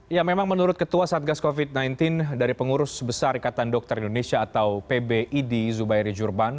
ya memang menurut ketua satgas covid sembilan belas dari pengurus besar ikatan dokter indonesia atau pbid zubairi jurban